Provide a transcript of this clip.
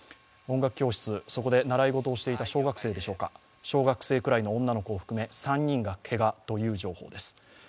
音楽教室、そこで習い事をしていた小学生でしょうか小学生くらいの女の子を含め３人がけがという情報です。